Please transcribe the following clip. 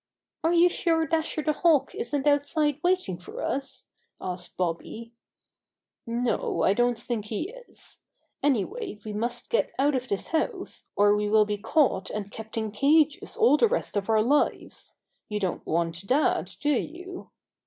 "Are you sure Dasher the Hawk isn't out side waiting for us?" asked Bobby. Little Girl Saves Bobby and Rusty 27 "No, I don't think he is. Anjrway we must get out of this house or we will be caught and kept in cages all the rest of our lives. You don't want that, do you?"